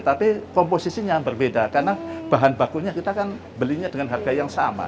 tapi komposisinya berbeda karena bahan bakunya kita kan belinya dengan harga yang sama